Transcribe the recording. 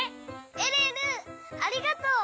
えるえるありがとう！